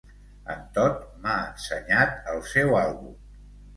En Todd m'ha ensenyat el seu àlbum.